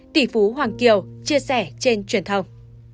tỷ phú hoàng kiều chia sẻ trên truyền thông